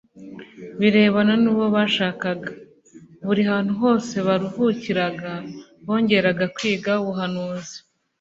birebana n'uwo bashakaga. Buri hantu hose baruhukiraga bongeraga kwiga ubuhanuzi